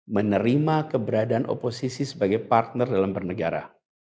menerima keberadaan oposisi sebagai partner dalam bernegara